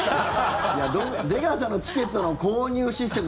出川さんのチケットの購入システム